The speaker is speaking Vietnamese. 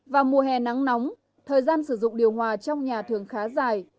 vào mùa hè nắng nóng thời gian sử dụng điều hòa trong nhà thường khá dài